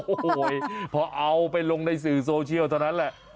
โอ้โหพอเอาไปลงในสื่อโซเชียลเท่านั้นแหละ